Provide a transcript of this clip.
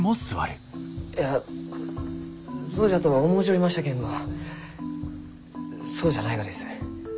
いやそうじゃとは思うちょりましたけんどそうじゃないがです。